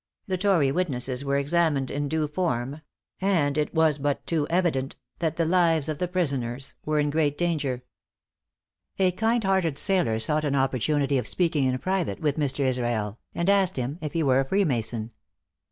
The tory witnesses were examined in due form; and it was but too evident that the lives of the prisoners were in great danger. A kind hearted sailor sought an opportunity of speaking in private with Mr. Israel, and asked him if he were a freemason.